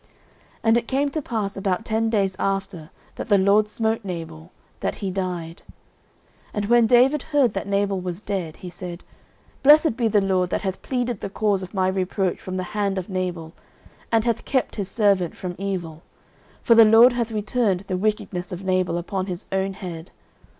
09:025:038 And it came to pass about ten days after, that the LORD smote Nabal, that he died. 09:025:039 And when David heard that Nabal was dead, he said, Blessed be the LORD, that hath pleaded the cause of my reproach from the hand of Nabal, and hath kept his servant from evil: for the LORD hath returned the wickedness of Nabal upon his own head.